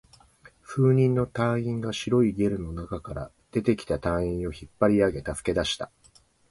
数人の隊員が白いゲルの中から出てきた隊員を引っ張り上げ、助け出した